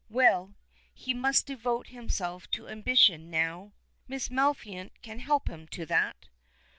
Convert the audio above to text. Well, he must devote himself to ambition now." "Miss Maliphant can help him to that."